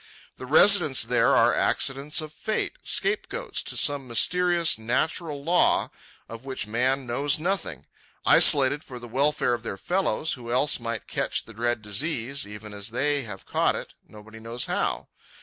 The residents there are accidents of fate, scapegoats to some mysterious natural law of which man knows nothing, isolated for the welfare of their fellows who else might catch the dread disease, even as they have caught it, nobody knows how.